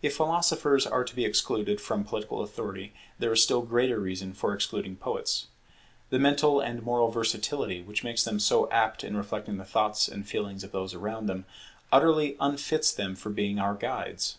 If philosophers are to be excluded from political authority, there is still greater reason for excluding poets. The mental and moral versatility which makes them so apt in reflecting the thoughts and feelings of those around them, utterly unfits them for being our guides.